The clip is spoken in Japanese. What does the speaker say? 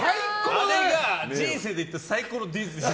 あれが人生で行った最高のディズニー。